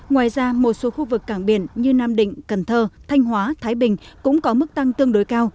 ngoài ra một số khu vực cảng biển như nam định cần thơ thanh hóa thái bình cũng có mức tăng tương đối cao